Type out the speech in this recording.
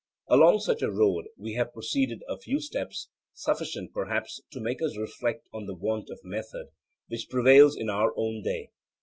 Along such a road we have proceeded a few steps, sufficient, perhaps, to make us reflect on the want of method which prevails in our own day.